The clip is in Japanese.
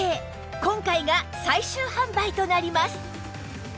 今回が最終販売となります